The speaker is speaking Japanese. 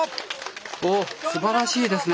おおすばらしいですね。